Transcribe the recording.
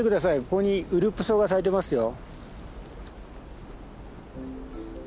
ここにウルップソウが咲いてますよ。